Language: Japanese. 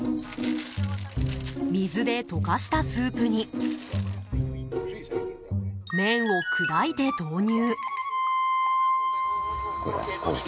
水で溶かしたスープに麺を砕いて投入。